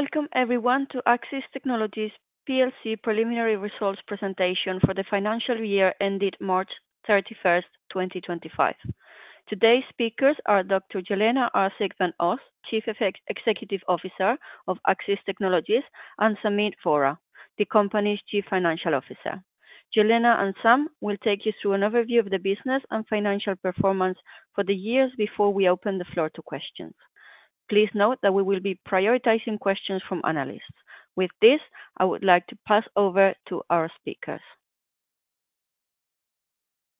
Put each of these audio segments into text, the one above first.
Welcome, everyone, to Accsys Technologies' preliminary results presentation for the financial year ended March 31, 2025. Today's speakers are Dr. Jelena Arsic van Os, Chief Executive Officer of Accsys Technologies, and Sameet Vohra, the company's Chief Financial Officer. Jelena and Sam will take you through an overview of the business and financial performance for the year before we open the floor to questions. Please note that we will be prioritizing questions from analysts. With this, I would like to pass over to our speakers.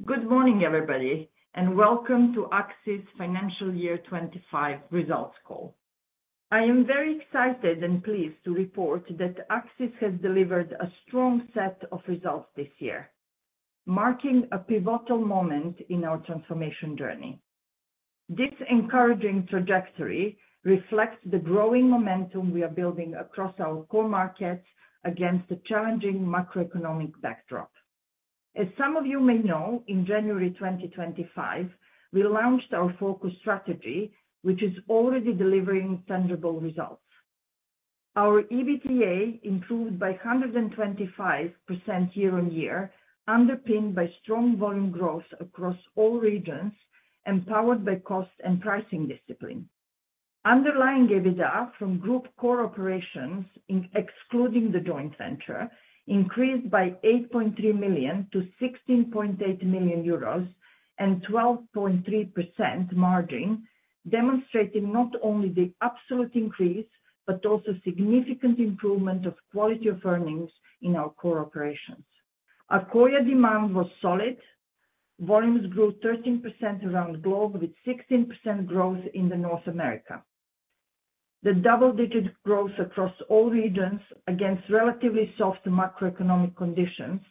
Good morning, everybody, and welcome to Accsys' Financial Year 2025 Results Call. I am very excited and pleased to report that Accsys has delivered a strong set of results this year, marking a pivotal moment in our transformation journey. This encouraging trajectory reflects the growing momentum we are building across our core markets against a challenging macroeconomic backdrop. As some of you may know, in January 2025, we launched our focus strategy, which is already delivering tangible results. Our EBITDA improved by 125% year-on-year, underpinned by strong volume growth across all regions, and powered by cost and pricing discipline. Underlying EBITD A from group core operations, excluding the joint venture, increased by 8.3 million to 16.8 million euros and 12.3% margin, demonstrating not only the absolute increase but also significant improvement of quality of earnings in our core operations. Accoya demand was solid. Volumes grew 13% around the globe, with 16% growth in North America. The double-digit growth across all regions against relatively soft macroeconomic conditions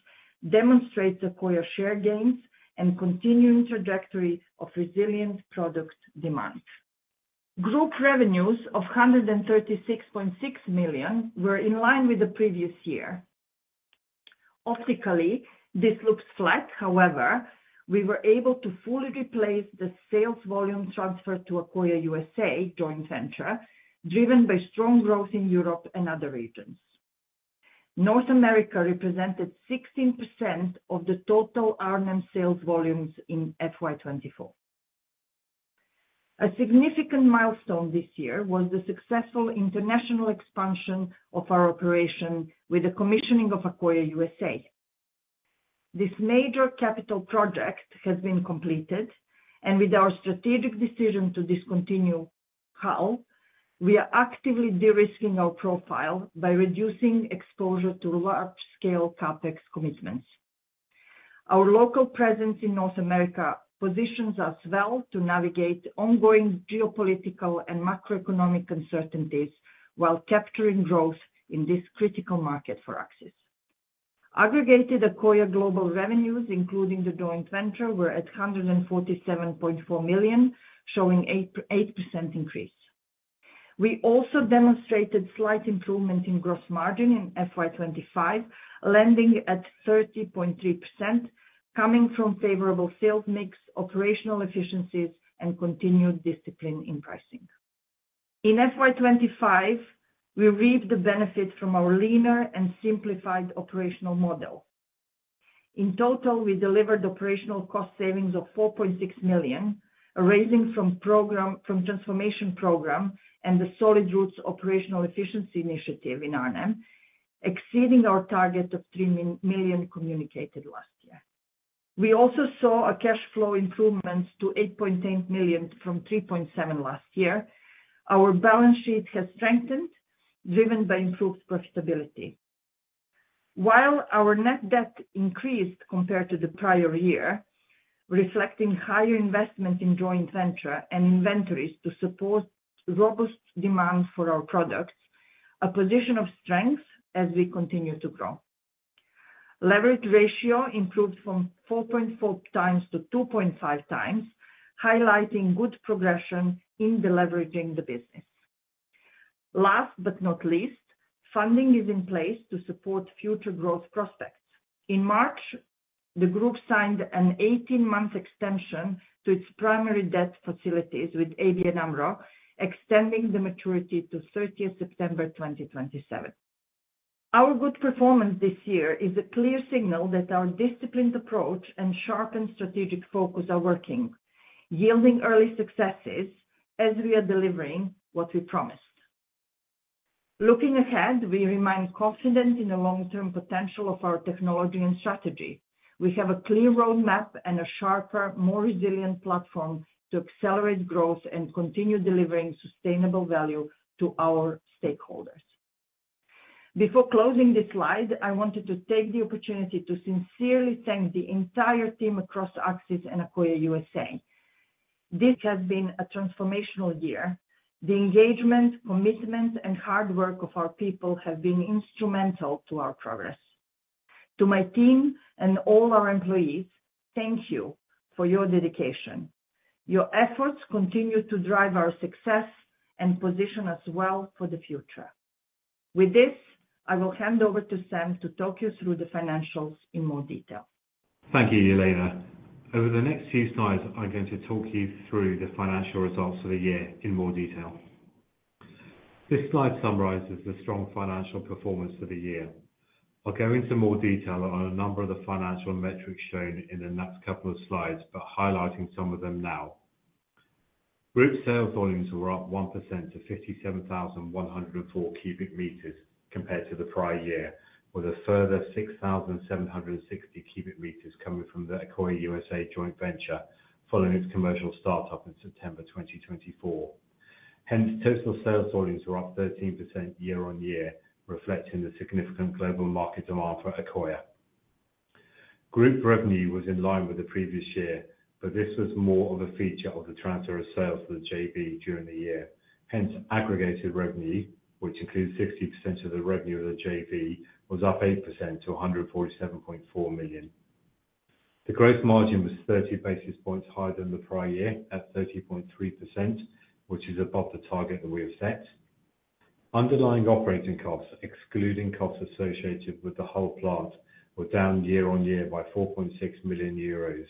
demonstrates Accoya's share gains and continuing trajectory of resilient product demand. Group revenues of 136.6 million were in line with the previous year. Optically, this looks flat. However, we were able to fully replace the sales volume transferred to Accoya USA joint venture, driven by strong growth in Europe and other regions. North America represented 16% of the total R&M sales volumes in FY 2024. A significant milestone this year was the successful international expansion of our operation with the commissioning of Accoya USA. This major capital project has been completed, and with our strategic decision to discontinue HAL, we are actively de-risking our profile by reducing exposure to large-scale CapEx commitments. Our local presence in North America positions us well to navigate ongoing geopolitical and macroeconomic uncertainties while capturing growth in this critical market for Accsys. Aggregated, Accoya global revenues, including the joint venture, were at 147.4 million, showing an 8% increase. We also demonstrated slight improvement in gross margin in FY 2025, landing at 30.3%, coming from favorable sales mix, operational efficiencies, and continued discipline in pricing. In FY 2025, we reaped the benefits from our leaner and simplified operational model. In total, we delivered operational cost savings of 4.6 million, raising from the transformation program and the Solid Roots Operational Efficiency Initiative in R&M, exceeding our target of 3 million communicated last year. We also saw a cash flow improvement to 8.8 million from 3.7 million last year. Our balance sheet has strengthened, driven by improved profitability. While our net debt increased compared to the prior year, reflecting higher investment in joint venture and inventories to support robust demand for our products, a position of strength as we continue to grow. Leverage ratio improved from 4.4 times to 2.5 times, highlighting good progression in leveraging the business. Last but not least, funding is in place to support future growth prospects. In March, the group signed an 18-month extension to its primary debt facilities with ABN AMRO, extending the maturity to 30 September 2027. Our good performance this year is a clear signal that our disciplined approach and sharpened strategic focus are working, yielding early successes as we are delivering what we promised. Looking ahead, we remain confident in the long-term potential of our technology and strategy. We have a clear roadmap and a sharper, more resilient platform to accelerate growth and continue delivering sustainable value to our stakeholders. Before closing this slide, I wanted to take the opportunity to sincerely thank the entire team across Accsys and Accoya USA. This has been a transformational year. The engagement, commitment, and hard work of our people have been instrumental to our progress. To my team and all our employees, thank you for your dedication. Your efforts continue to drive our success and position us well for the future. With this, I will hand over to Sam to talk you through the financials in more detail. Thank you, Jelena. Over the next few slides, I'm going to talk you through the financial results for the year in more detail. This slide summarizes the strong financial performance for the year. I'll go into more detail on a number of the financial metrics shown in the next couple of slides, but highlighting some of them now. Group sales volumes were up 1% to 57,104 cubic meters compared to the prior year, with a further 6,760 cubic meters coming from the Accoya USA joint venture following its commercial startup in September 2024. Hence, total sales volumes were up 13% year-on-year, reflecting the significant global market demand for Accoya. Group revenue was in line with the previous year, but this was more of a feature of the transfer of sales to the JV during the year. Hence, aggregated revenue, which includes 60% of the revenue of the JV, was up 8% to 147.4 million. The gross margin was 30 basis points higher than the prior year at 30.3%, which is above the target that we have set. Underlying operating costs, excluding costs associated with the whole plot, were down year-on-year by 4.6 million euros,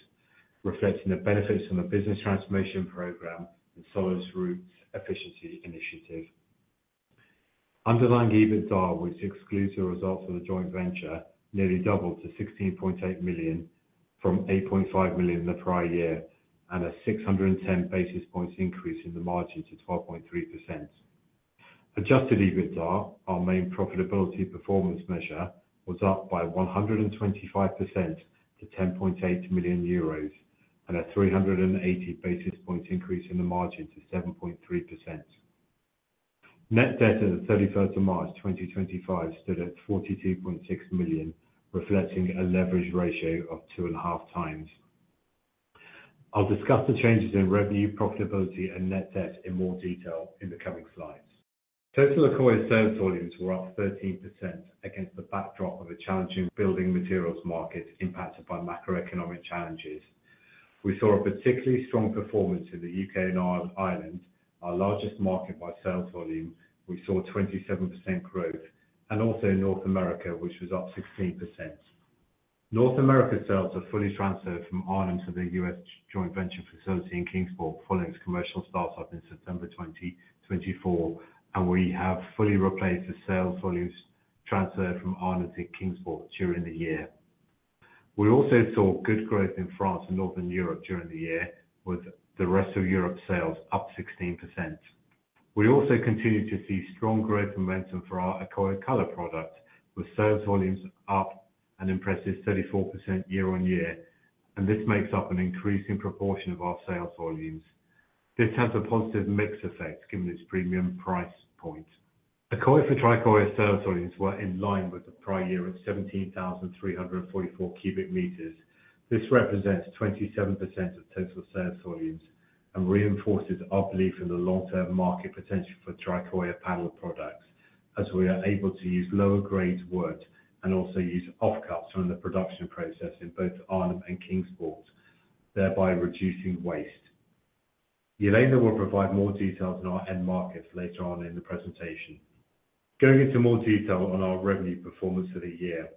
reflecting the benefits from the business transformation program and Solid Roots Efficiency Initiative. Underlying EBITDA, which excludes the results of the joint venture, nearly doubled to 16.8 million from 8.5 million the prior year and a 610 basis points increase in the margin to 12.3%. Adjusted EBITDA, our main profitability performance measure, was up by 125% to 10.8 million euros and a 380 basis points increase in the margin to 7.3%. Net debt on the 31st of March 2025 stood at 42.6 million, reflecting a leverage ratio of two and a half times. I'll discuss the changes in revenue, profitability, and net debt in more detail in the coming slides. Total Accoya sales volumes were up 13% against the backdrop of a challenging building materials market impacted by macroeconomic challenges. We saw a particularly strong performance in the U.K. and Ireland, our largest market by sales volume. We saw 27% growth, and also in North America, which was up 16%. North America sales were fully transferred from Ireland to the US joint venture facility in Kingsport following its commercial startup in September 2024, and we have fully replaced the sales volumes transferred from Ireland to Kingsport during the year. We also saw good growth in France and Northern Europe during the year, with the rest of Europe's sales up 16%. We also continue to see strong growth momentum for our Accoya color product, with sales volumes up an impressive 34% year-on-year, and this makes up an increasing proportion of our sales volumes. This has a positive mix effect given its premium price point. Accoya for Tricoya sales volumes were in line with the prior year at 17,344 cubic meters. This represents 27% of total sales volumes and reinforces our belief in the long-term market potential for Tricoya panel products, as we are able to use lower-grade wood and also use offcuts from the production process in both Ireland and Kingsport, thereby reducing waste. Jelena will provide more details on our end markets later on in the presentation. Going into more detail on our revenue performance for the year,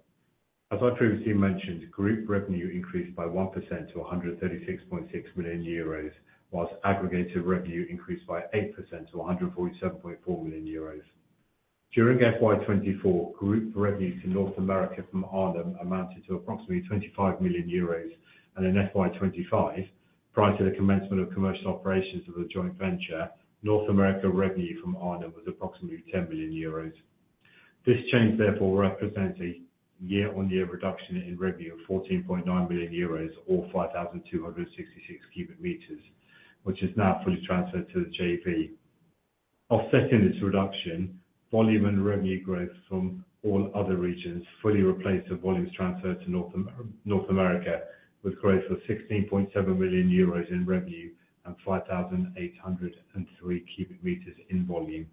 as I previously mentioned, group revenue increased by 1% to 136.6 million euros, whilst aggregated revenue increased by 8% to 147.4 million euros. During FY 2024, group revenue to North America from Ireland amounted to approximately 25 million euros, and in FY 2025, prior to the commencement of commercial operations of the joint venture, North America revenue from Ireland was approximately 10 million euros. This change therefore represents a year-on-year reduction in revenue of 14.9 million euros or 5,266 cubic meters, which is now fully transferred to the JV. Offsetting this reduction, volume and revenue growth from all other regions fully replaced the volumes transferred to North America, with growth of 16.7 million euros in revenue and 5,803 cubic meters in volume.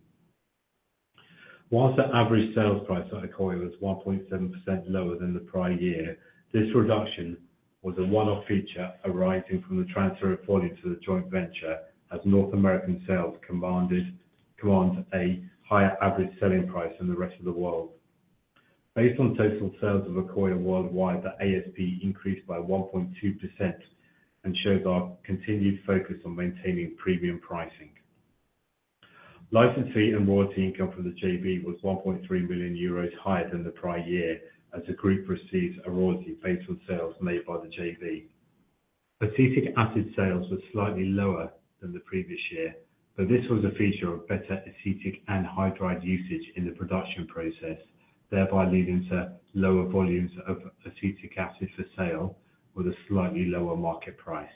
Whilst the average sales price for Accoya was 1.7% lower than the prior year, this reduction was a one-off feature arising from the transfer of volume to the joint venture, as North American sales command a higher average selling price than the rest of the world. Based on total sales of Accoya worldwide, the ASP increased by 1.2% and shows our continued focus on maintaining premium pricing. License fee and royalty income from the JV was 1.3 million euros higher than the prior year, as the group receives a royalty based on sales made by the JV. Acetic acid sales were slightly lower than the previous year, but this was a feature of better acetic and hydride usage in the production process, thereby leading to lower volumes of acetic acid for sale with a slightly lower market price.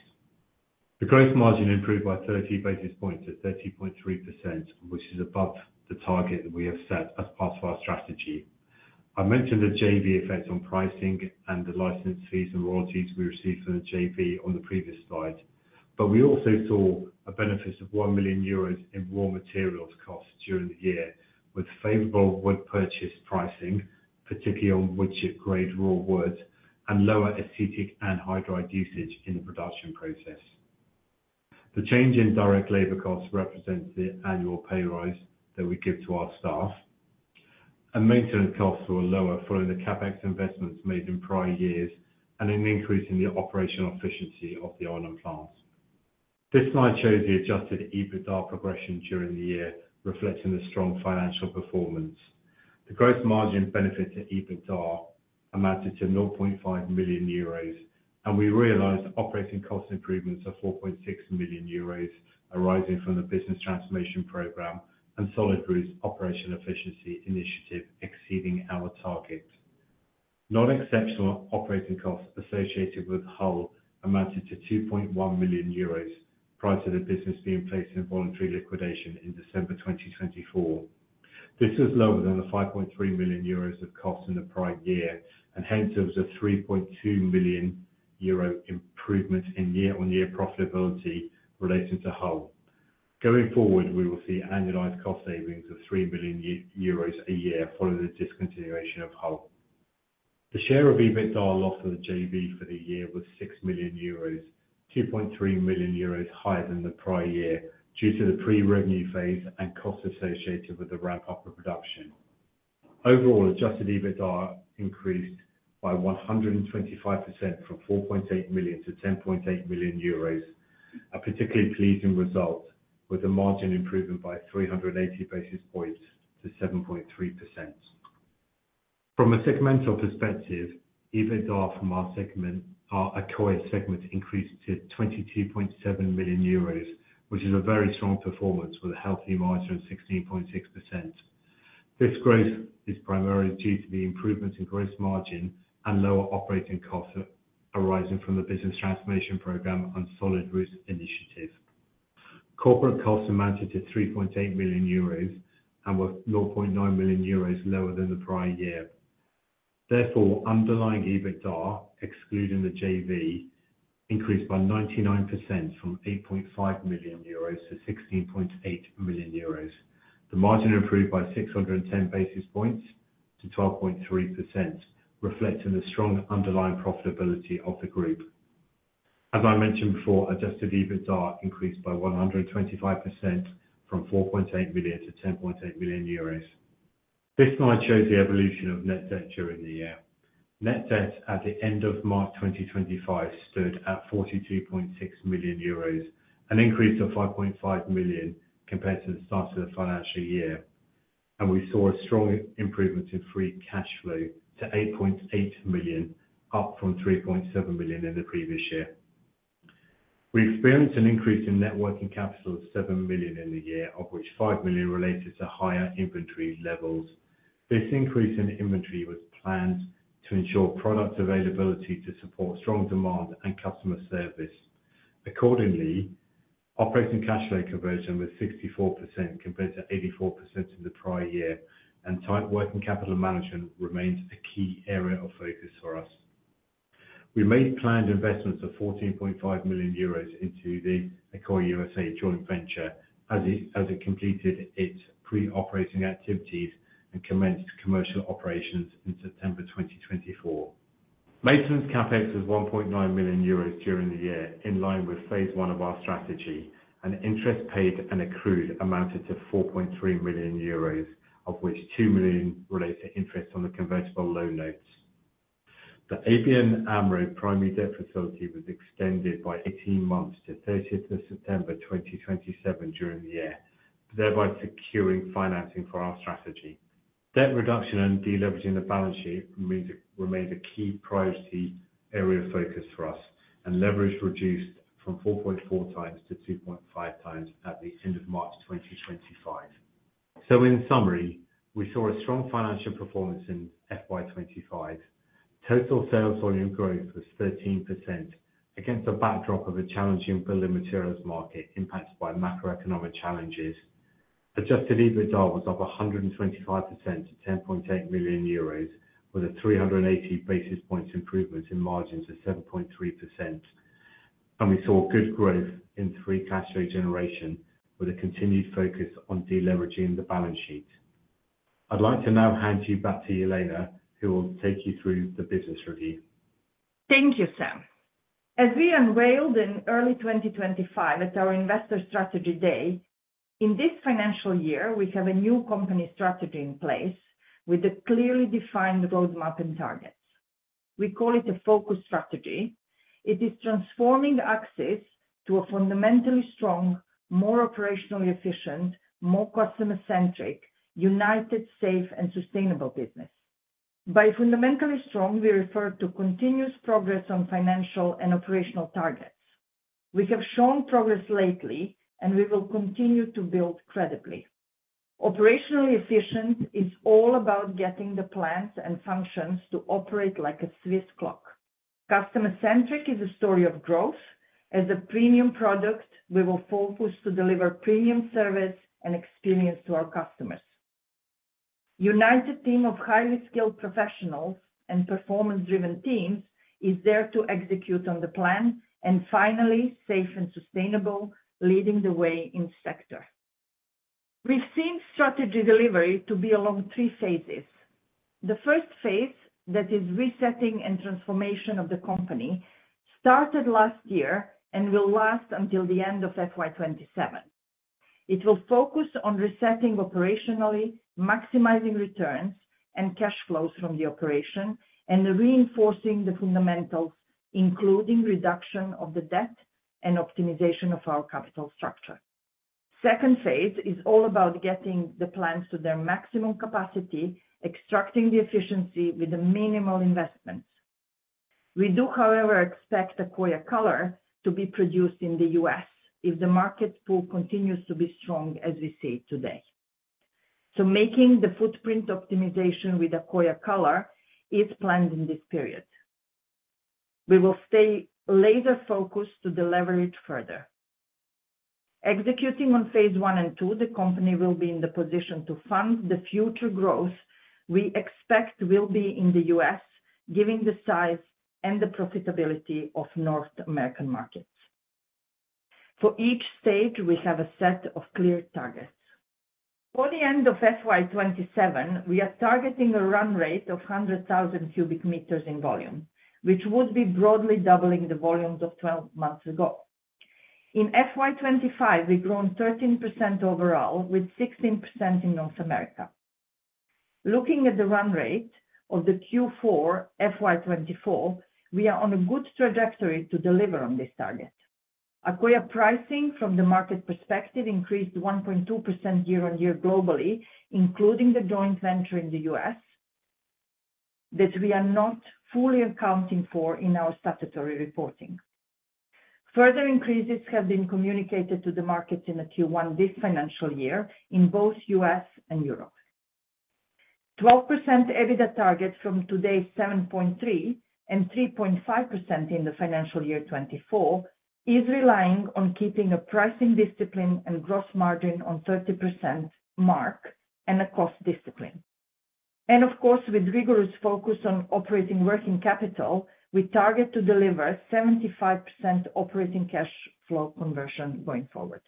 The gross margin improved by 30 basis points to 30.3%, which is above the target that we have set as part of our strategy. I mentioned the JV effect on pricing and the license fees and royalties we received from the JV on the previous slide, but we also saw a benefit of 1 million euros in raw materials costs during the year, with favorable wood purchase pricing, particularly on woodchip-grade raw wood and lower acetic and hydride usage in the production process. The change in direct labor costs represents the annual pay rise that we give to our staff. Maintenance costs were lower following the CapEx investments made in prior years and an increase in the operational efficiency of the Ireland plant. This slide shows the adjusted EBITDA progression during the year, reflecting the strong financial performance. The gross margin benefit to EBITDA amounted to 0.5 million euros, and we realized operating cost improvements of 4.6 million euros arising from the business transformation program and Solid Roots Operational Efficiency Initiative exceeding our target. Non-exceptional operating costs associated with HAL amounted to 2.1 million euros prior to the business being placed in voluntary liquidation in December 2024. This was lower than the 5.3 million euros of cost in the prior year, and hence there was a 3.2 million euro improvement in year-on-year profitability relating to HAL. Going forward, we will see annualized cost savings of 3 million euros a year following the discontinuation of HAL. The share of EBITDA lost to the JV for the year was 6 million euros, 2.3 million euros higher than the prior year due to the pre-revenue phase and costs associated with the ramp-up of production. Overall, adjusted EBITDA increased by 125% from 4.8 million-10.8 million euros, a particularly pleasing result with a margin improvement by 380 basis points to 7.3%. From a segmental perspective, EBITDA from our Accoya segment increased to 22.7 million euros, which is a very strong performance with a healthy margin of 16.6%. This growth is primarily due to the improvement in gross margin and lower operating costs arising from the business transformation program and Solid Roots Initiative. Corporate costs amounted to 3.8 million euros and were 0.9 million euros lower than the prior year. Therefore, underlying EBITDA, excluding the JV, increased by 99% from 8.5 million euros to 16.8 million euros. The margin improved by 610 basis points to 12.3%, reflecting the strong underlying profitability of the group. As I mentioned before, adjusted EBITDA increased by 125% from 4.8 million-10.8 million euros. This slide shows the evolution of net debt during the year. Net debt at the end of March 2025 stood at 42.6 million euros, an increase of 5.5 million compared to the start of the financial year, and we saw a strong improvement in free cash flow to 8.8 million, up from 3.7 million in the previous year. We experienced an increase in net working capital of 7 million in the year, of which 5 million related to higher inventory levels. This increase in inventory was planned to ensure product availability to support strong demand and customer service. Accordingly, operating cash flow conversion was 64% compared to 84% in the prior year, and tight working capital management remains a key area of focus for us. We made planned investments of 14.5 million euros into the Accoya USA joint venture as it completed its pre-operating activities and commenced commercial operations in September 2024. Maintenance CapEx was 1.9 million euros during the year, in line with phase one of our strategy, and interest paid and accrued amounted to 4.3 million euros, of which 2 million related to interest on the convertible loan notes. The ABN AMRO primary debt facility was extended by 18 months to 30th of September 2027 during the year, thereby securing financing for our strategy. Debt reduction and deleveraging the balance sheet remained a key priority area of focus for us, and leverage reduced from 4.4 times to 2.5 times at the end of March 2025. In summary, we saw a strong financial performance in FY 25. Total sales volume growth was 13% against the backdrop of a challenging building materials market impacted by macroeconomic challenges. Adjusted EBITDA was up 125% to 10.8 million euros, with a 380 basis points improvement in margins of 7.3%. We saw good growth in free cash flow generation with a continued focus on deleveraging the balance sheet. I'd like to now hand you back to Jelena, who will take you through the business review. Thank you, Sam. As we unveiled in early 2025 at our Investor Strategy Day, in this financial year, we have a new company strategy in place with a clearly defined roadmap and targets. We call it a focus strategy. It is transforming Accsys to a fundamentally strong, more operationally efficient, more customer-centric, united, safe, and sustainable business. By fundamentally strong, we refer to continuous progress on financial and operational targets. We have shown progress lately, and we will continue to build credibly. Operationally efficient is all about getting the plants and functions to operate like a Swiss clock. Customer-centric is a story of growth. As a premium product, we will focus to deliver premium service and experience to our customers. A united team of highly skilled professionals and performance-driven teams is there to execute on the plan and finally safe and sustainable, leading the way in sector. We have seen strategy delivery to be along three phases. The first phase, that is resetting and transformation of the company, started last year and will last until the end of FY 2027. It will focus on resetting operationally, maximizing returns and cash flows from the operation, and reinforcing the fundamentals, including reduction of the debt and optimization of our capital structure. The second phase is all about getting the plants to their maximum capacity, extracting the efficiency with minimal investments. We do, however, expect Accoya color to be produced in the US if the market pull continues to be strong as we see today. Making the footprint optimization with Accoya color is planned in this period. We will stay laser-focused to deliver it further. Executing on phase I and phase II, the company will be in the position to fund the future growth we expect will be in the US, given the size and the profitability of North American markets. For each stage, we have a set of clear targets. For the end of FY 2027, we are targeting a run rate of 100,000 cubic meters in volume, which would be broadly doubling the volumes of 12 months ago. In FY 2025, we've grown 13% overall, with 16% in North America. Looking at the run rate of the Q4 FY 2024, we are on a good trajectory to deliver on this target. Accoya pricing, from the market perspective, increased 1.2% year-on-year globally, including the joint venture in the US, that we are not fully accounting for in our statutory reporting. Further increases have been communicated to the markets in the Q1 this financial year in both U.S. and Europe. 12% EBITDA target from today's 7.3% and 3.5% in the financial year 2024 is relying on keeping a pricing discipline and gross margin on the 30% mark and a cost discipline. Of course, with rigorous focus on operating working capital, we target to deliver 75% operating cash flow conversion going forward.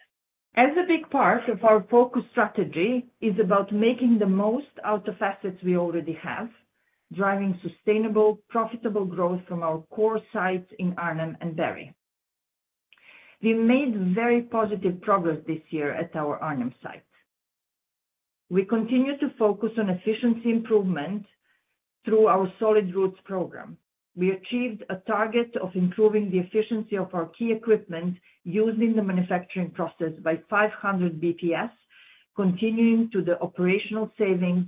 As a big part of our focus strategy, it is about making the most out of assets we already have, driving sustainable, profitable growth from our core sites in Arnhem and Barry. We made very positive progress this year at our Arnhem site. We continue to focus on efficiency improvement through our Solid Roots program. We achieved a target of improving the efficiency of our key equipment used in the manufacturing process by 500 basis points, continuing to the operational savings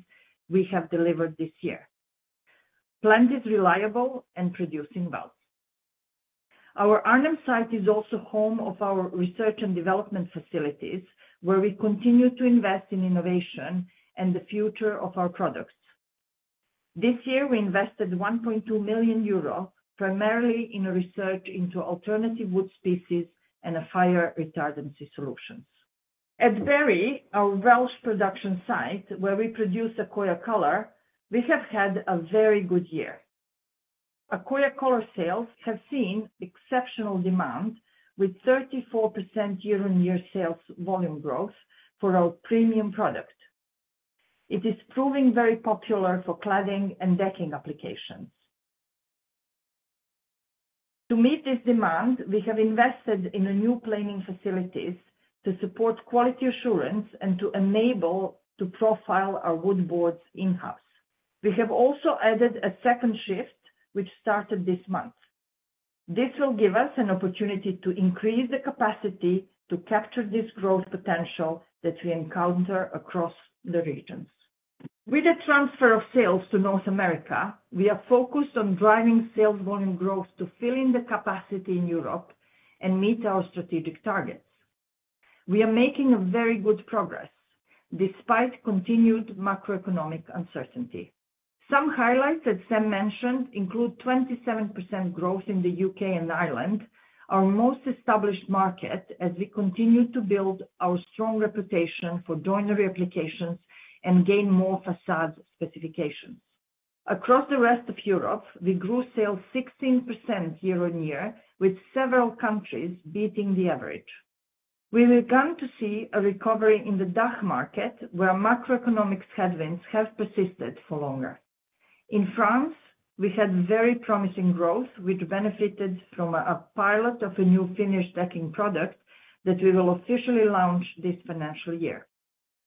we have delivered this year. The plant is reliable and producing well. Our Arnhem site is also home of our research and development facilities, where we continue to invest in innovation and the future of our products. This year, we invested 1.2 million euro primarily in research into alternative wood species and fire retardant solutions. At Barry, our Welsh production site, where we produce Accoya color, we have had a very good year. Accoya color sales have seen exceptional demand, with 34% year-on-year sales volume growth for our premium product. It is proving very popular for cladding and decking applications. To meet this demand, we have invested in new planing facilities to support quality assurance and to enable profiling of our wood boards in-house. We have also added a second shift, which started this month. This will give us an opportunity to increase the capacity to capture this growth potential that we encounter across the regions. With the transfer of sales to North America, we are focused on driving sales volume growth to fill in the capacity in Europe and meet our strategic targets. We are making very good progress despite continued macroeconomic uncertainty. Some highlights that Sam mentioned include 27% growth in the U.K. and Ireland, our most established market, as we continue to build our strong reputation for joinery applications and gain more facade specifications. Across the rest of Europe, we grew sales 16% year-on-year, with several countries beating the average. We began to see a recovery in the DACH market, where macroeconomic headwinds have persisted for longer. In France, we had very promising growth, which benefited from a pilot of a new finished decking product that we will officially launch this financial year.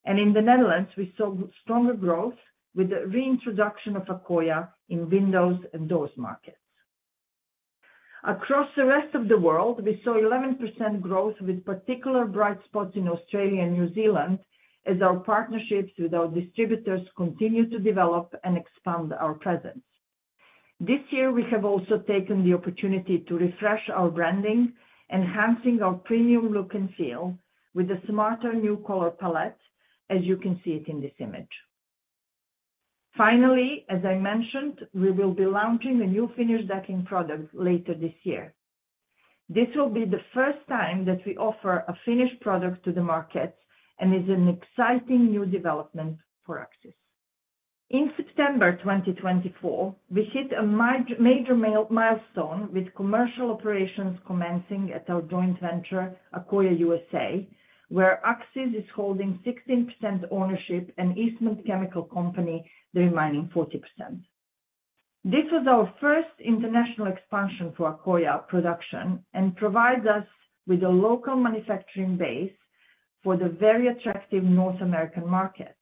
In the Netherlands, we saw stronger growth with the reintroduction of Accoya in windows and doors markets. Across the rest of the world, we saw 11% growth, with particular bright spots in Australia and New Zealand, as our partnerships with our distributors continue to develop and expand our presence. This year, we have also taken the opportunity to refresh our branding, enhancing our premium look and feel with a smarter new color palette, as you can see it in this image. Finally, as I mentioned, we will be launching a new finished decking product later this year. This will be the first time that we offer a finished product to the market, and it's an exciting new development for Accsys. In September 2024, we hit a major milestone, with commercial operations commencing at our joint venture, Accoya USA, where Accsys is holding 60% ownership and Eastman Chemical Company the remaining 40%. This was our first international expansion for Accoya production and provides us with a local manufacturing base for the very attractive North American market,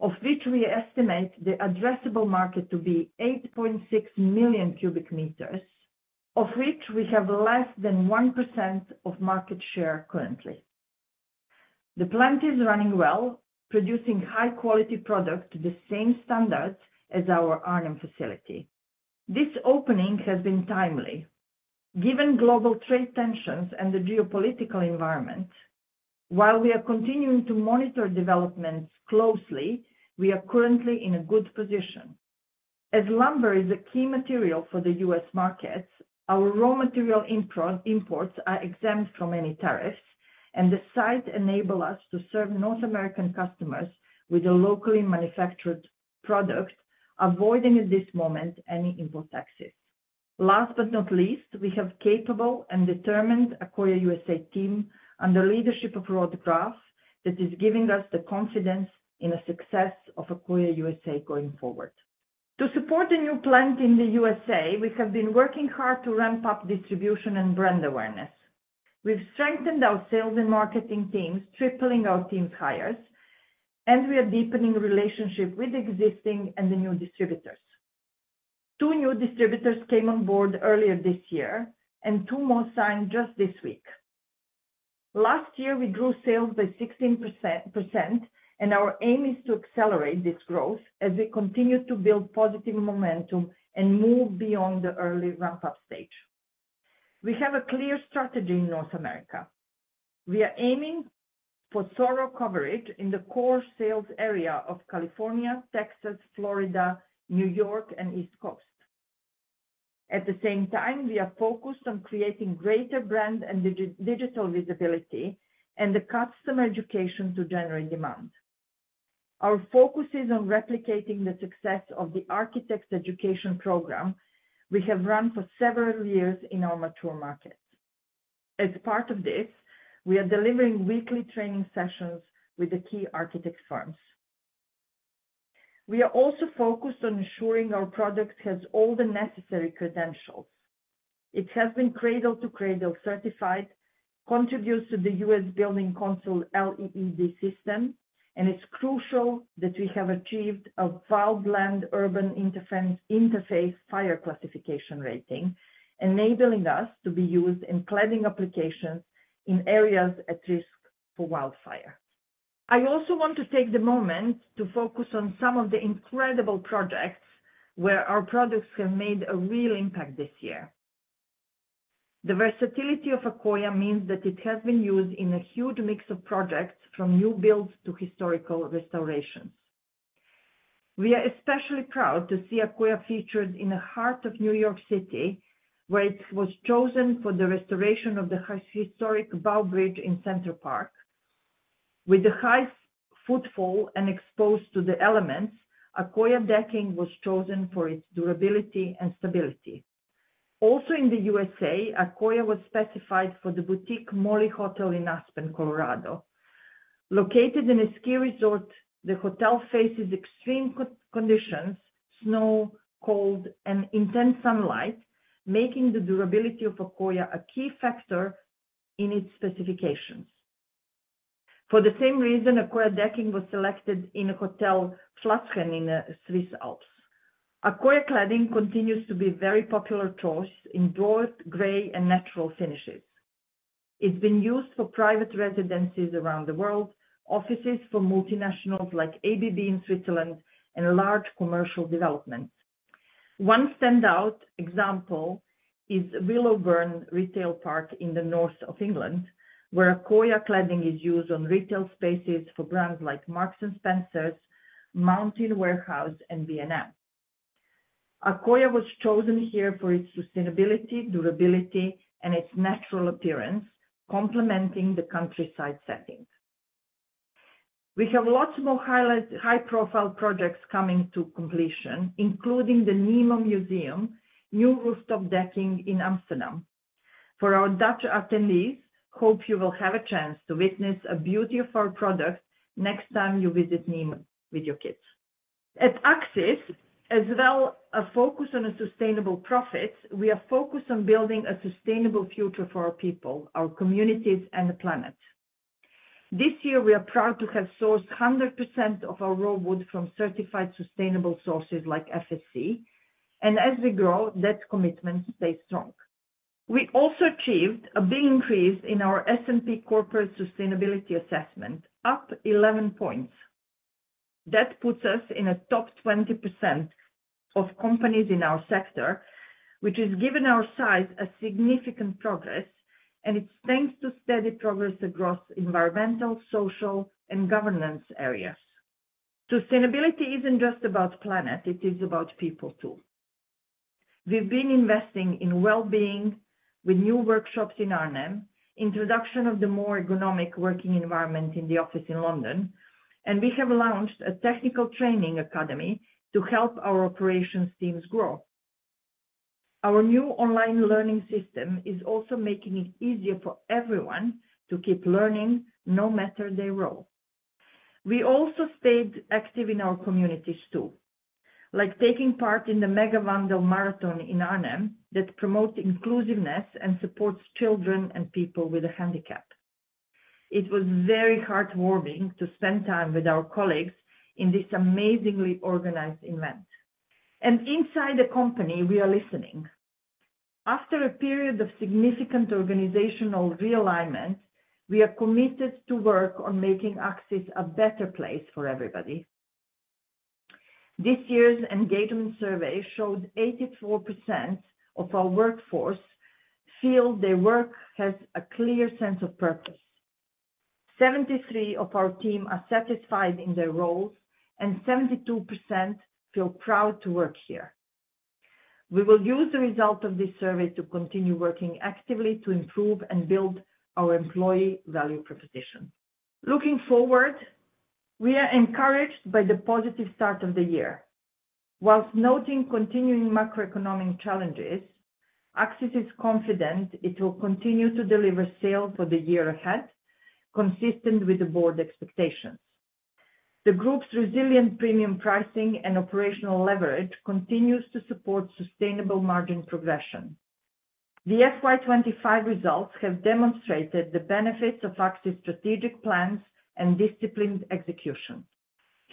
of which we estimate the addressable market to be 8.6 million cubic meters, of which we have less than 1% of market share currently. The plant is running well, producing high-quality products to the same standards as our Arnhem facility. This opening has been timely. Given global trade tensions and the geopolitical environment, while we are continuing to monitor developments closely, we are currently in a good position. As lumber is a key material for the U.S. markets, our raw material imports are exempt from any tariffs, and the site enables us to serve North American customers with a locally manufactured product, avoiding at this moment any import taxes. Last but not least, we have a capable and determined Accoya USA team under the leadership of Rod Glass that is giving us the confidence in the success of Accoya USA going forward. To support the new plant in the USA, we have been working hard to ramp up distribution and brand awareness. We've strengthened our sales and marketing teams, tripling our team's hires, and we are deepening relationships with existing and new distributors. Two new distributors came on board earlier this year, and two more signed just this week. Last year, we grew sales by 16%, and our aim is to accelerate this growth as we continue to build positive momentum and move beyond the early ramp-up stage. We have a clear strategy in North America. We are aiming for thorough coverage in the core sales area of California, Texas, Florida, New York, and East Coast. At the same time, we are focused on creating greater brand and digital visibility and the customer education to generate demand. Our focus is on replicating the success of the Architects Education Program we have run for several years in our mature markets. As part of this, we are delivering weekly training sessions with the key architect firms. We are also focused on ensuring our product has all the necessary credentials. It has been Cradle-to-Cradle certified, contributes to the U.S. Building Council LEED system, and it's crucial that we have achieved a wildland-urban interface fire classification rating, enabling us to be used in cladding applications in areas at risk for wildfire. I also want to take the moment to focus on some of the incredible projects where our products have made a real impact this year. The versatility of Accoya means that it has been used in a huge mix of projects, from new builds to historical restorations. We are especially proud to see Accoya featured in the heart of New York City, where it was chosen for the restoration of the historic Bow Bridge in Central Park. With the high footfall and exposure to the elements, Accoya decking was chosen for its durability and stability. Also, in the USA, Accoya was specified for the boutique Molly Hotel in Aspen, Colorado. Located in a ski resort, the hotel faces extreme conditions: snow, cold, and intense sunlight, making the durability of Accoya a key factor in its specifications. For the same reason, Accoya decking was selected in a hotel in the Swiss Alps. Accoya cladding continues to be a very popular choice in broad gray and natural finishes. It's been used for private residences around the world, offices for multinationals like ABB in Switzerland, and large commercial developments. One standout example is Willowburn Retail Park in the north of England, where Accoya cladding is used on retail spaces for brands like Marks and Spencer, Mountain Warehouse, and B&M. Accoya was chosen here for its sustainability, durability, and its natural appearance, complementing the countryside setting. We have lots more high-profile projects coming to completion, including the NEMO Museum, new rooftop decking in Amsterdam. For our Dutch attendees, hope you will have a chance to witness the beauty of our products next time you visit NEMO with your kids. At Accsys, as well as a focus on sustainable profits, we are focused on building a sustainable future for our people, our communities, and the planet. This year, we are proud to have sourced 100% of our raw wood from certified sustainable sources like FSC, and as we grow, that commitment stays strong. We also achieved a big increase in our S&P Corporate Sustainability Assessment, up 11 points. That puts us in the top 20% of companies in our sector, which has given our size significant progress, and it's thanks to steady progress across environmental, social, and governance areas. Sustainability isn't just about the planet; it is about people, too. We've been investing in well-being with new workshops in Arnhem, the introduction of a more ergonomic working environment in the office in London, and we have launched a technical training academy to help our operations teams grow. Our new online learning system is also making it easier for everyone to keep learning no matter their role. We also stayed active in our communities, too, like taking part in the Mega Vandal Marathon in Arnhem that promotes inclusiveness and supports children and people with a handicap. It was very heartwarming to spend time with our colleagues in this amazingly organized event. Inside the company, we are listening. After a period of significant organizational realignment, we are committed to work on making Accsys a better place for everybody. This year's engagement survey showed 84% of our workforce feel their work has a clear sense of purpose. 73% of our team are satisfied in their roles, and 72% feel proud to work here. We will use the results of this survey to continue working actively to improve and build our employee value proposition. Looking forward, we are encouraged by the positive start of the year. Whilst noting continuing macroeconomic challenges, Accsys is confident it will continue to deliver sales for the year ahead, consistent with the board expectations. The group's resilient premium pricing and operational leverage continue to support sustainable margin progression. The FY 2025 results have demonstrated the benefits of Accsys' strategic plans and disciplined execution.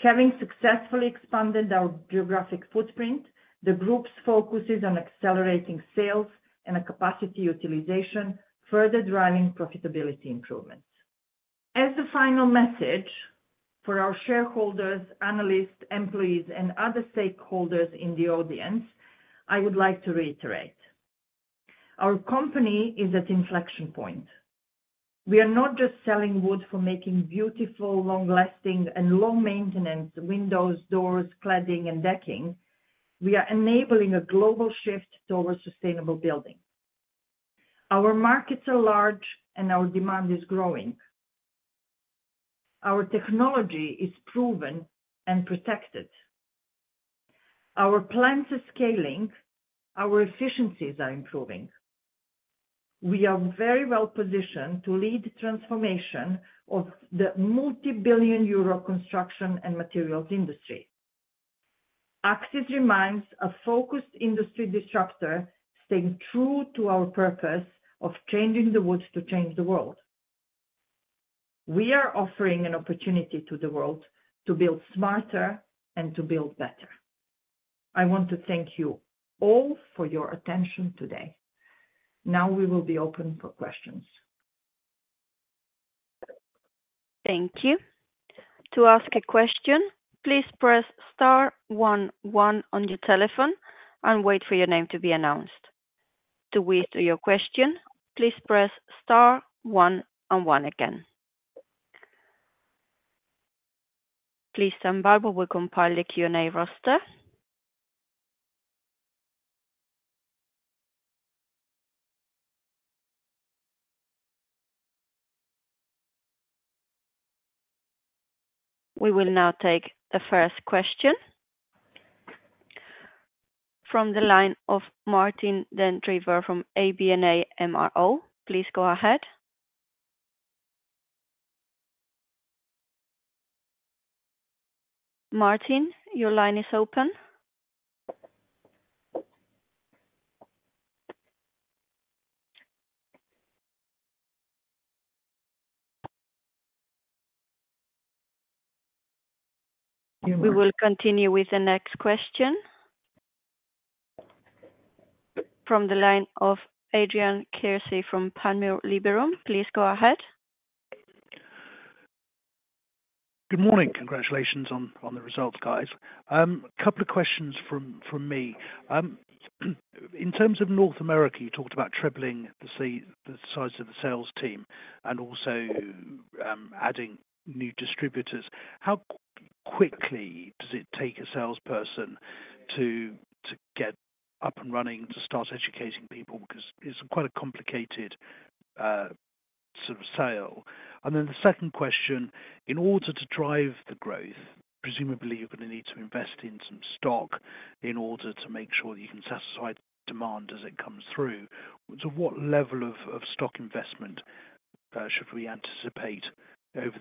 Having successfully expanded our geographic footprint, the group's focus is on accelerating sales and capacity utilization, further driving profitability improvements. As a final message for our shareholders, analysts, employees, and other stakeholders in the audience, I would like to reiterate: our company is at inflection points. We are not just selling wood for making beautiful, long-lasting, and low-maintenance windows, doors, cladding, and decking; we are enabling a global shift towards sustainable building. Our markets are large, and our demand is growing. Our technology is proven and protected. Our plants are scaling, our efficiencies are improving. We are very well positioned to lead the transformation of the multi-billion-euro construction and materials industry. Accsys remains a focused industry disruptor, staying true to our purpose of changing the wood to change the world. We are offering an opportunity to the world to build smarter and to build better. I want to thank you all for your attention today. Now we will be open for questions. Thank you. To ask a question, please press star 11 on your telephone and wait for your name to be announced. To whisper your question, please press star 11 again. Please, someone valuable will compile the Q&A roster. We will now take the first question from the line of Martin Den Drijver from ABN AMRO. Please go ahead. Martin, your line is open. We will continue with the next question from the line of Adrian Kelsey from Panmure Liberum. Please go ahead. Good morning. Congratulations on the results, guys. A couple of questions from me. In terms of North America, you talked about tripling the size of the sales team and also adding new distributors. How quickly does it take a salesperson to get up and running, to start educating people? Because it's quite a complicated sort of sale. The second question, in order to drive the growth, presumably you're going to need to invest in some stock in order to make sure that you can satisfy demand as it comes through. To what level of stock investment should we anticipate over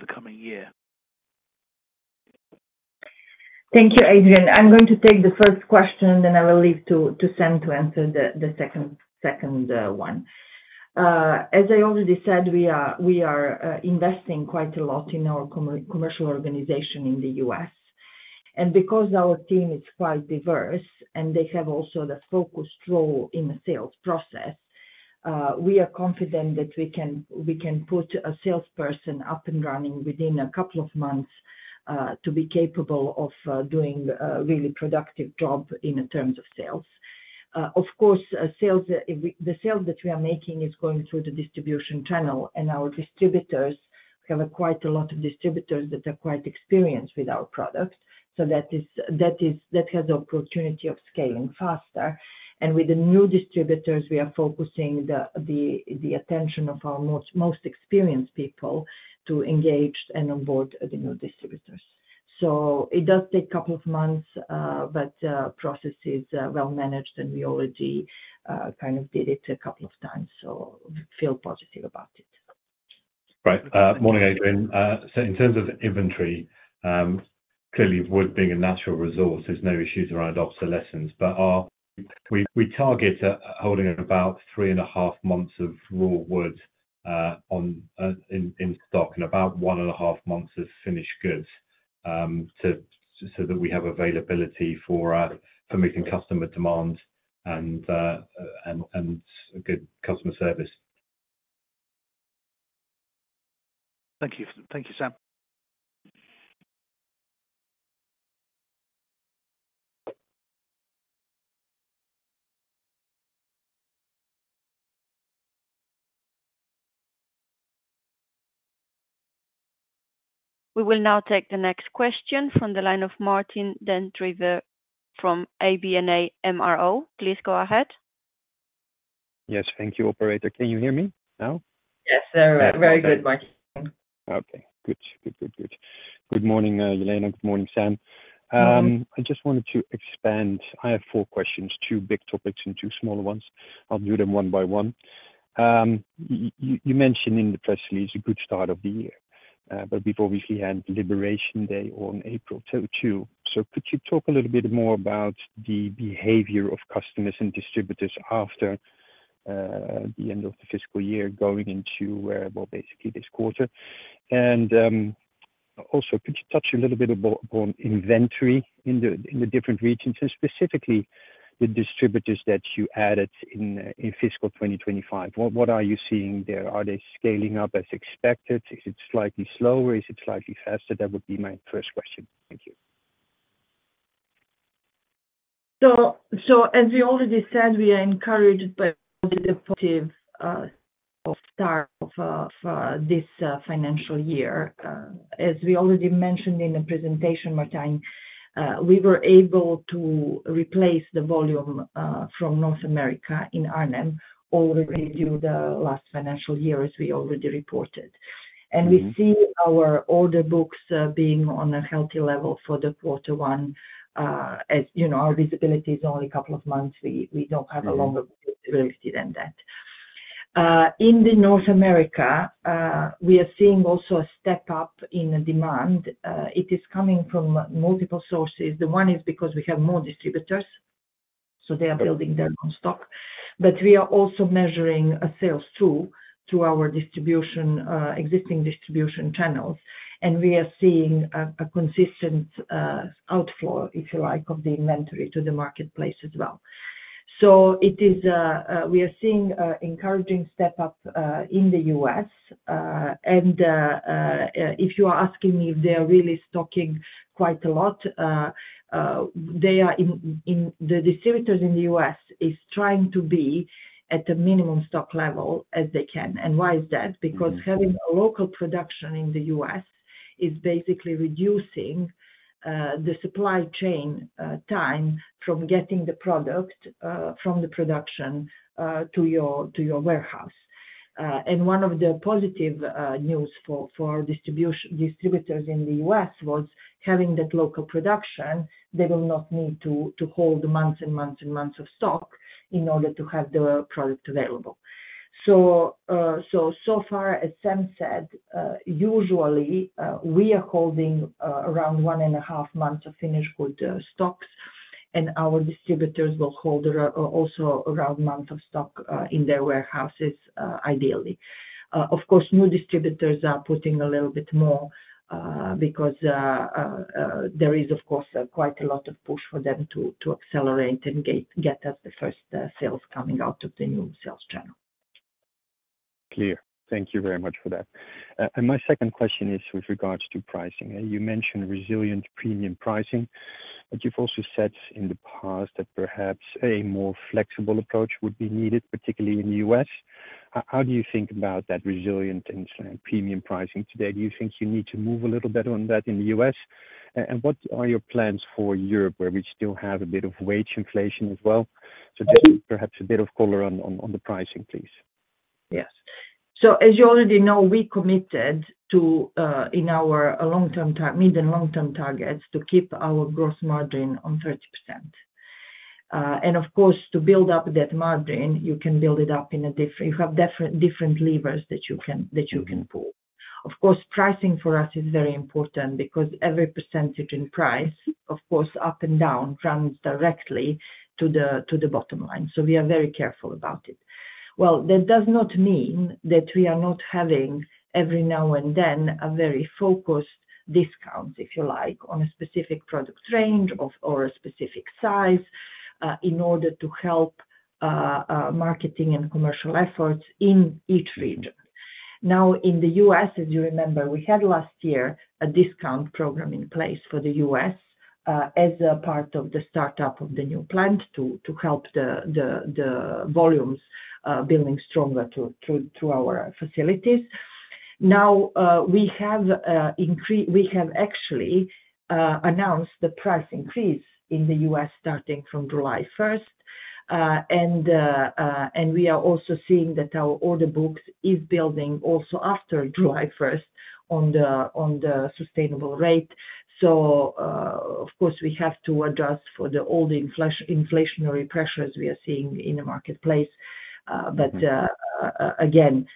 the coming year? Thank you, Adrian. I'm going to take the first question, and then I will leave to Sam to answer the second one. As I already said, we are investing quite a lot in our commercial organization in the U.S. and because our team is quite diverse and they have also the focus role in the sales process, we are confident that we can put a salesperson up and running within a couple of months to be capable of doing a really productive job in terms of sales. Of course, the sales that we are making is going through the distribution channel, and our distributors have quite a lot of distributors that are quite experienced with our product. That has the opportunity of scaling faster. With the new distributors, we are focusing the attention of our most experienced people to engage and onboard the new distributors. It does take a couple of months, but the process is well-managed, and we already kind of did it a couple of times, so I feel positive about it. Right. Morning, Adrian. In terms of inventory, clearly, wood being a natural resource, there is no issues around obsolescence. We target holding about three and a half months of raw wood in stock and about one and a half months of finished goods so that we have availability for meeting customer demand and good customer service. Thank you. Thank you, Sam. We will now take the next question from the line of Martin Den Drijver from ABN AMRO. Please go ahead. Yes. Thank you, operator. Can you hear me now? Yes. Very good, Martin. Okay. Good. Good morning, Jelena. Good morning, Sam. I just wanted to expand. I have four questions, two big topics and two smaller ones. I'll do them one by one. You mentioned in the press release a good start of the year, but we've obviously had Liberation Day on April 2. Could you talk a little bit more about the behavior of customers and distributors after the end of the fiscal year going into basically this quarter? Also, could you touch a little bit upon inventory in the different regions and specifically the distributors that you added in fiscal 2025? What are you seeing there? Are they scaling up as expected? Is it slightly slower? Is it slightly faster? That would be my first question. Thank you. As we already said, we are encouraged by the positive start of this financial year. As we already mentioned in the presentation, Martin, we were able to replace the volume from North America in Arnhem over the last financial year, as we already reported. We see our order books being on a healthy level for quarter-one. As you know, our visibility is only a couple of months. We do not have a longer visibility than that. In North America, we are seeing also a step up in demand. It is coming from multiple sources. The one is because we have more distributors, so they are building their own stock. We are also measuring sales through our existing distribution channels, and we are seeing a consistent outflow, if you like, of the inventory to the marketplace as well. We are seeing an encouraging step up in the US. If you are asking me if they are really stocking quite a lot, the distributors in the US are trying to be at a minimum stock level as they can. Why is that? Because having a local production in the US is basically reducing the supply chain time from getting the product from the production to your warehouse. One of the positive news for distributors in the U.S. was having that local production, they will not need to hold months and months and months of stock in order to have the product available. So, as Sam said, usually we are holding around one and a half months of finished good stocks, and our distributors will hold also around a month of stock in their warehouses, ideally. Of course, new distributors are putting a little bit more because there is, of course, quite a lot of push for them to accelerate and get us the first sales coming out of the new sales channel. Clear. Thank you very much for that. My second question is with regards to pricing. You mentioned resilient premium pricing, but you have also said in the past that perhaps a more flexible approach would be needed, particularly in the US. How do you think about that resilient and premium pricing today? Do you think you need to move a little bit on that in the U.S.? What are your plans for Europe, where we still have a bit of wage inflation as well? Just perhaps a bit of color on the pricing, please. Yes. As you already know, we committed in our mid and long-term targets to keep our gross margin on 30%. Of course, to build up that margin, you can build it up in a different, you have different levers that you can pull. Of course, pricing for us is very important because every percentage in price, up and down, runs directly to the bottom line. We are very careful about it. That does not mean that we are not having every now and then a very focused discount, if you like, on a specific product range or a specific size in order to help marketing and commercial efforts in each region. Now, in the U.S., as you remember, we had last year a discount program in place for the US as a part of the startup of the new plant to help the volumes building stronger through our facilities. Now, we have actually announced the price increase in the U.S. starting from July 1. We are also seeing that our order books are building also after July 1 on the sustainable rate. Of course, we have to adjust for the old inflationary pressures we are seeing in the marketplace. Again,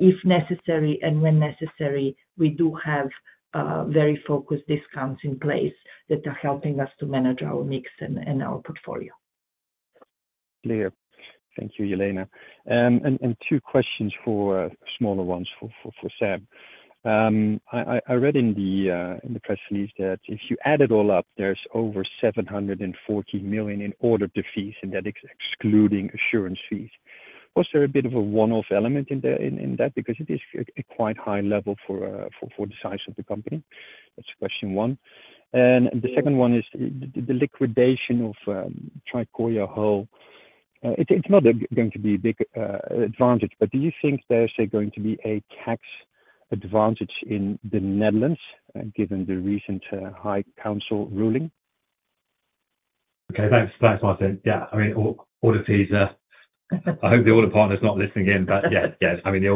if necessary and when necessary, we do have very focused discounts in place that are helping us to manage our mix and our portfolio. Clear. Thank you, Jelena. Two questions, smaller ones, for Sam. I read in the press release that if you add it all up, there's over 740 million in order to fees, and that is excluding assurance fees. Was there a bit of a one-off element in that? Because it is quite high level for the size of the company. That's question one. The second one is the liquidation of Tricoya Hull. It's not going to be a big advantage, but do you think there's going to be a tax advantage in the Netherlands given the recent High Council ruling? Okay. Thanks, Martin. Yeah. I mean, order fees are—I hope the audit partner's not listening in, but yeah. Yeah. I mean, the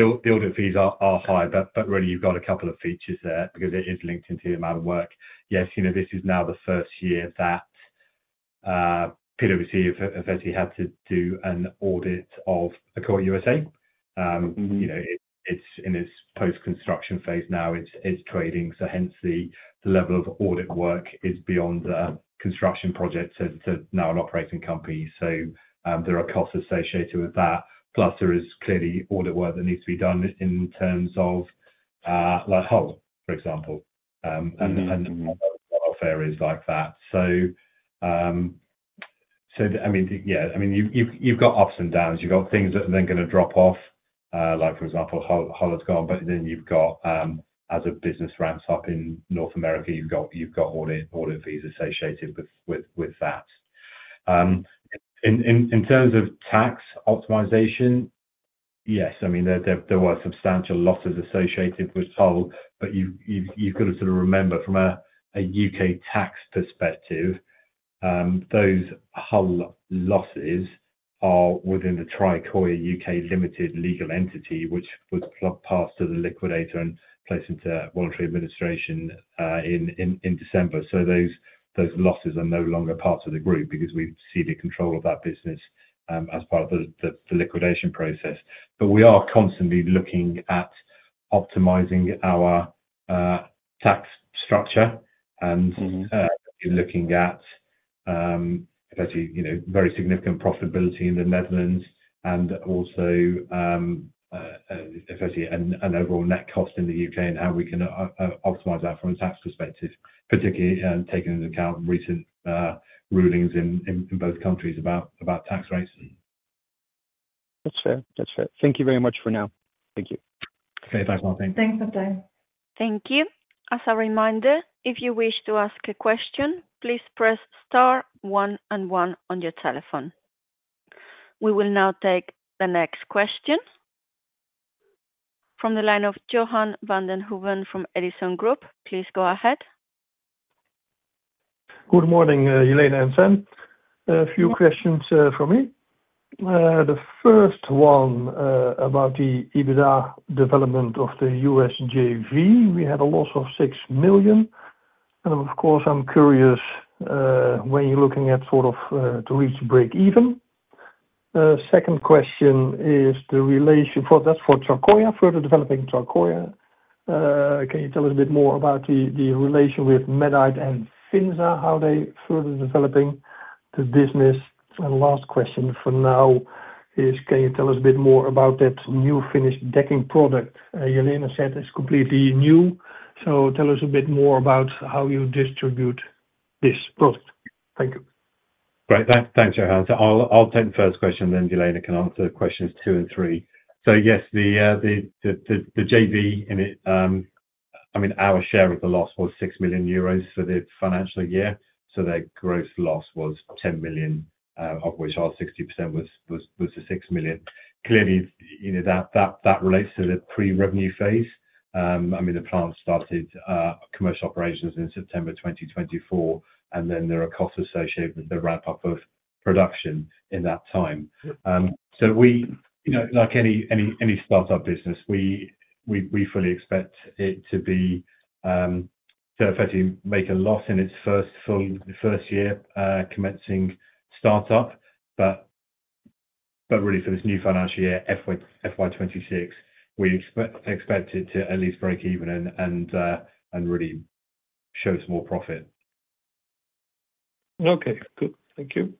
audit fees are high, but really, you've got a couple of features there because it is linked into the amount of work. Yes, this is now the first year that Peter Benevides has actually had to do an audit of Accoya USA. It's in its post-construction phase now. It's trading, so hence the level of audit work is beyond construction projects to now an operating company. So there are costs associated with that. Plus, there is clearly audit work that needs to be done in terms of Hull, for example, and other areas like that. I mean, yeah. I mean, you've got ups and downs. You've got things that are then going to drop off, like, for example, Hull has gone, but then you've got as a business ramps up in North America, you've got audit fees associated with that. In terms of tax optimization, yes. I mean, there were substantial losses associated with Hull, but you've got to sort of remember from a U.K. tax perspective, those Hull losses are within the Tricoya U.K. Limited legal entity, which was passed to the liquidator and placed into voluntary administration in December. Those losses are no longer part of the group because we've ceded control of that business as part of the liquidation process. We are constantly looking at optimizing our tax structure and looking at very significant profitability in the Netherlands and also an overall net cost in the U.K. and how we can optimize that from a tax perspective, particularly taking into account recent rulings in both countries about tax rates. That's fair. That's fair. Thank you very much for now. Thank you. Okay. Thanks, Martin. Thanks, Matteo. Thank you. As a reminder, if you wish to ask a question, please press star one and one on your telephone. We will now take the next question from the line of Johan Vandenhoeven from Edison Group. Please go ahead. Good morning, Jelena and Sam. A few questions for me. The first one about the EBITDA development of the U.S. JV. We had a loss of $6 million. Of course, I'm curious when you're looking at sort of to reach break-even. Second question is the relation for Tricoya, further developing Tricoya. Can you tell us a bit more about the relation with Medite and Finza, how they're further developing the business? Last question for now is, can you tell us a bit more about that new finished decking product? Jelena said it's completely new. Tell us a bit more about how you distribute this product. Thank you. Right. Thanks, Johan. I'll take the first question, then Jelena can answer questions two and three. Yes, the JV, I mean, our share of the loss was 6 million euros for the financial year. Their gross loss was 10 million, of which our 60% was the 6 million. Clearly, that relates to the pre-revenue phase. I mean, the plant started commercial operations in September 2024, and there are costs associated with the ramp-up of production in that time. Like any startup business, we fully expect it to make a loss in its first year, commencing startup. For this new financial year, FY 26, we expect it to at least break even and really show some more profit. Okay. Good. Thank you.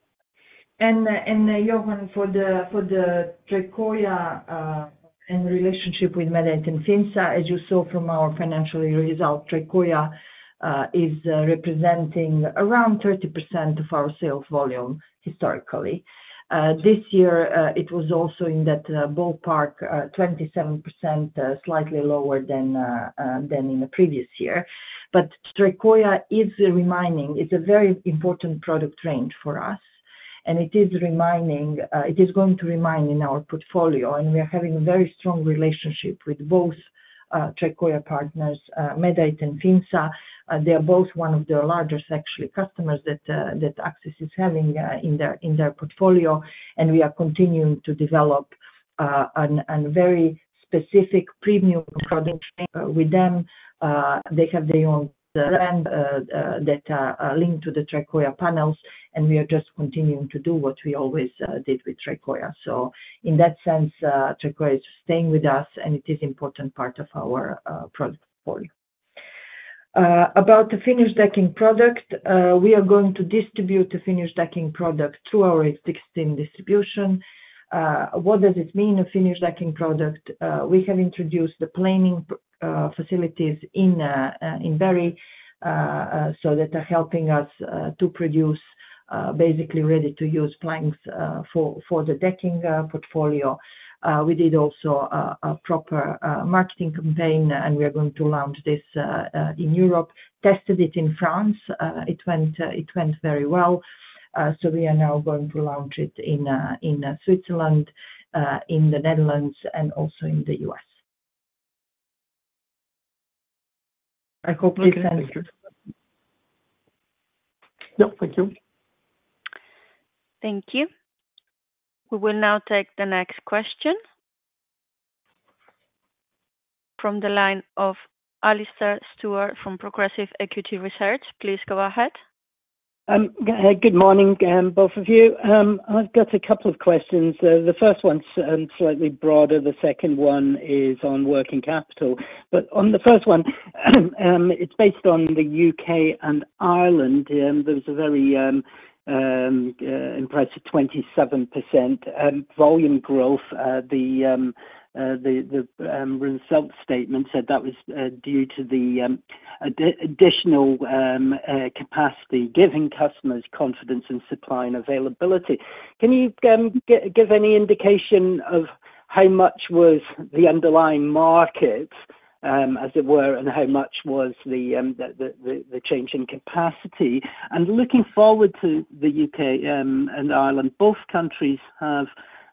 Johan, for the Tricoya and relationship with Medite and Finza, as you saw from our financial year result, Tricoya is representing around 30% of our sales volume historically. This year, it was also in that ballpark, 27%, slightly lower than in the previous year. Tricoya is a very important product range for us, and it is going to remain in our portfolio. We are having a very strong relationship with both Tricoya partners, Medite and Finza. They are both one of the largest, actually, customers that Accsys is having in their portfolio. We are continuing to develop a very specific premium product with them. They have their own brand that are linked to the Tricoya panels, and we are just continuing to do what we always did with Tricoya. In that sense, Tricoya is staying with us, and it is an important part of our product portfolio. About the finished decking product, we are going to distribute the finished decking product through our existing distribution. What does it mean, a finished decking product? We have introduced the planing facilities in Barry so that they're helping us to produce basically ready-to-use planks for the decking portfolio. We did also a proper marketing campaign, and we are going to launch this in Europe. Tested it in France. It went very well. We are now going to launch it in Switzerland, in the Netherlands, and also in the U.S. I hope we can answer. No, thank you. Thank you. We will now take the next question from the line of Alistair Stewart from Progressive Equity Research. Please go ahead. Good morning, both of you. I've got a couple of questions. The first one's slightly broader. The second one is on working capital. On the first one, it's based on the U.K. and Ireland. There was a very impressive 27% volume growth. The result statement said that was due to the additional capacity giving customers confidence in supply and availability. Can you give any indication of how much was the underlying market, as it were, and how much was the change in capacity? Looking forward to the U.K. and Ireland, both countries have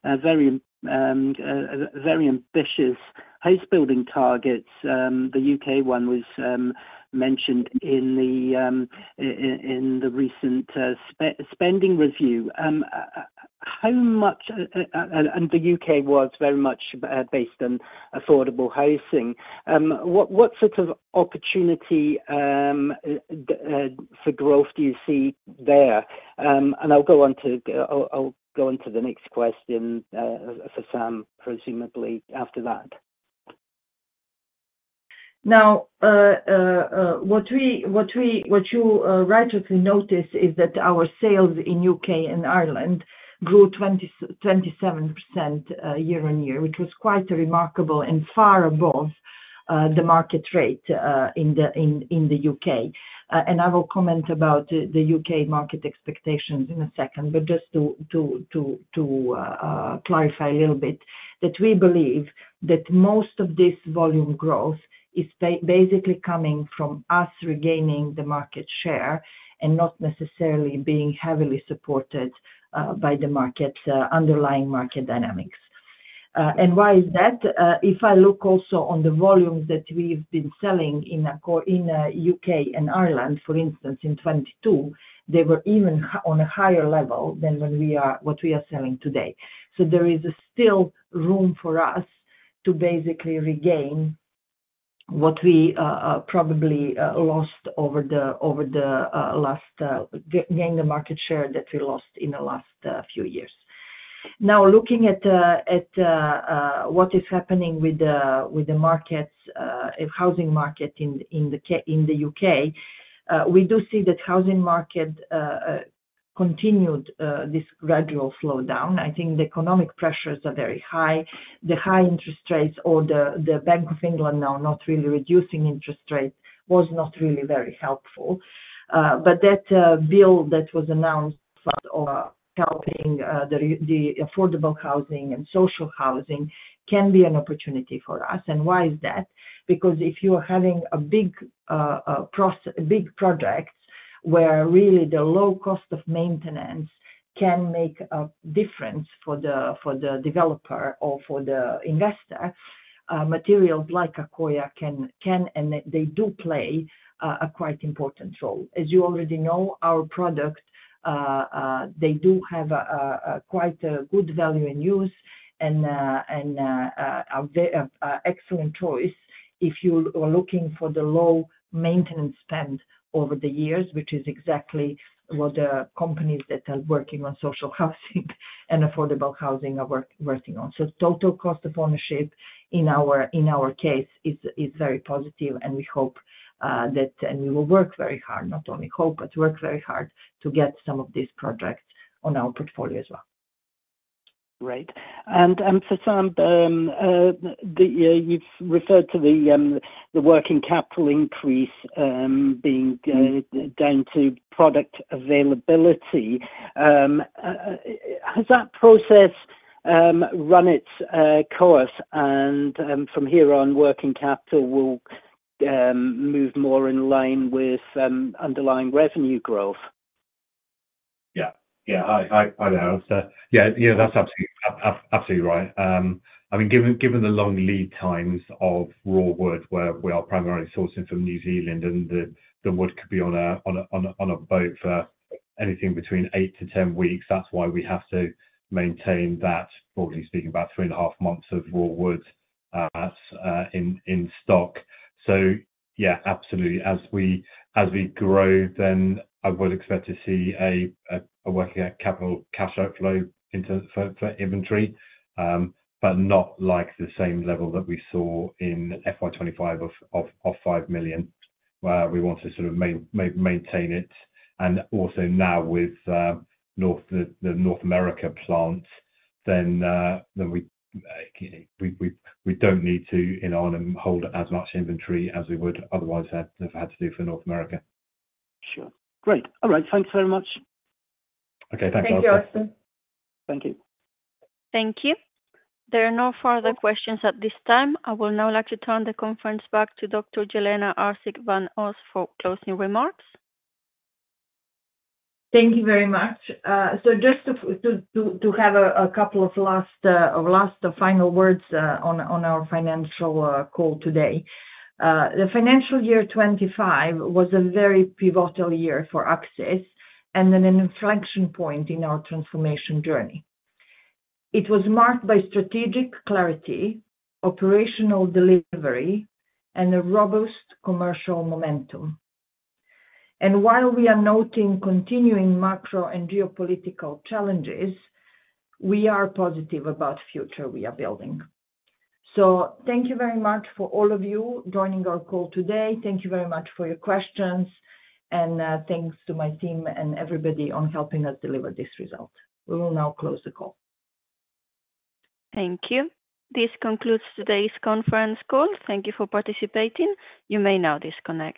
very ambitious house-building targets. The U.K. one was mentioned in the recent spending review. The U.K. was very much based on affordable housing. What sort of opportunity for growth do you see there? I'll go on to the next question for Sam, presumably after that. Now, what you rightfully noticed is that our sales in the U.K. and Ireland grew 27% year on year, which was quite remarkable and far above the market rate in the U.K. I will comment about the U.K. market expectations in a second, but just to clarify a little bit that we believe that most of this volume growth is basically coming from us regaining the market share and not necessarily being heavily supported by the underlying market dynamics. Why is that? If I look also on the volumes that we've been selling in the U.K. and Ireland, for instance, in 2022, they were even on a higher level than what we are selling today. There is still room for us to basically regain what we probably lost over the last gaining the market share that we lost in the last few years. Now, looking at what is happening with the housing market in the U.K., we do see that the housing market continued this gradual slowdown. I think the economic pressures are very high. The high interest rates or the Bank of England now not really reducing interest rates was not really very helpful. That bill that was announced for helping the affordable housing and social housing can be an opportunity for us. Why is that? Because if you are having big projects where really the low cost of maintenance can make a difference for the developer or for the investor, materials like Accoya can, and they do play a quite important role. As you already know, our product, they do have quite a good value in use and are an excellent choice if you are looking for the low maintenance spend over the years, which is exactly what the companies that are working on social housing and affordable housing are working on. Total cost of ownership in our case is very positive, and we hope that we will work very hard, not only hope, but work very hard to get some of these projects on our portfolio as well. Great. For Sam, you have referred to the working capital increase being down to product availability. Has that process run its course, and from here on, working capital will move more in line with underlying revenue growth? Yeah. Yeah. Hi, there. Yeah. Yeah. That is absolutely right. I mean, given the long lead times of raw wood, where we are primarily sourcing from New Zealand, and the wood could be on a boat for anything between 8-10 weeks, that's why we have to maintain that, broadly speaking, about three and a half months of raw wood in stock. Yeah, absolutely. As we grow, then I would expect to see a working capital cash outflow for inventory, but not like the same level that we saw in FY 2025 of 5 million, where we want to sort of maintain it. Also now with the North America plant, we do not need to hold as much inventory as we would otherwise have had to do for North America. Sure. Great. All right. Thanks very much. Okay. Thanks, Alistair. Thank you. Thank you. There are no further questions at this time. I would now like to turn the conference back to Dr. Jelena Arsic van Os for closing remarks. Thank you very much. Just to have a couple of last or final words on our financial call today. The financial year 2025 was a very pivotal year for Accsys and an inflection point in our transformation journey. It was marked by strategic clarity, operational delivery, and a robust commercial momentum. While we are noting continuing macro and geopolitical challenges, we are positive about the future we are building. Thank you very much for all of you joining our call today. Thank you very much for your questions. Thanks to my team and everybody on helping us deliver this result. We will now close the call. Thank you. This concludes today's conference call. Thank you for participating. You may now disconnect.